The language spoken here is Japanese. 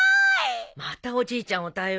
またおじいちゃんを頼りにして。